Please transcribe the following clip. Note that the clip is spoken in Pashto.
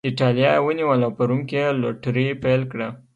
اېټالیا یې ونیوله او په روم کې یې لوټري پیل کړه.